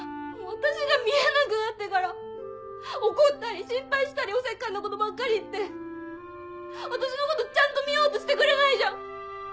私が見えなくなってから怒ったり心配したりおせっかいなことばっかり言って私のことちゃんと見ようとしてくれないじゃん。